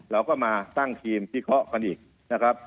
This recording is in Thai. เราก็มาตั้งทีมพิเคราะห์กันอีกนะครับ